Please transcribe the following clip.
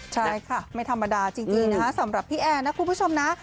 ใช่ค่ะไม่ธรรมดาจริงนะคะสำหรับพี่แอนนะคุณผู้ชมนะ